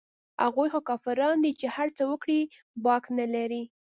هغوى خو کافران دي چې هرڅه وکړي باک نه لري.